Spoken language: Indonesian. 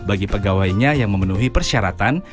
bagi pegawainya yang memenuhi persyaratan